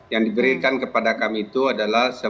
yang diberikan kepada kami itu adalah